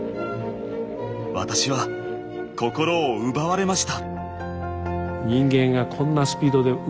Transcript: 私は心を奪われました。